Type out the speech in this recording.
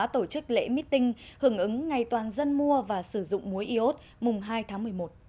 tổ chức lễ meeting hưởng ứng ngày toàn dân mua và sử dụng muối iốt mùng hai tháng một mươi một